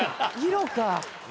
色か。